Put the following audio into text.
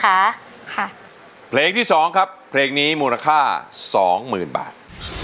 ค่ะเพลงที่สองครับเพลงนี้มูลค่าสองหมื่นบาท